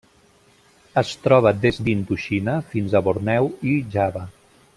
Es troba des d'Indoxina fins a Borneo i Java.